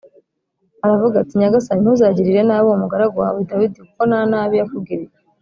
aravuga ati “Nyagasani, ntuzagirire nabi uwo mugaragu wawe Dawidi kuko nta nabi yakugiriye